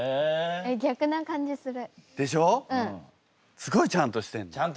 すごいちゃんとしてんの。